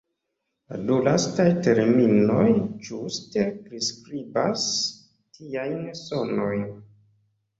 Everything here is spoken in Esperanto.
La du lastaj terminoj ĝuste priskribas tiajn sonojn.